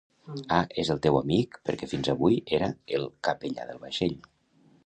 Ah, és el teu amic perquè fins avui era el capellà del vaixell